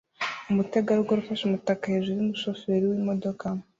Umutegarugori ufashe umutaka hejuru yumushoferi wimodoka